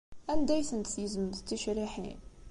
Anda ay tent-tgezmemt d ticriḥin?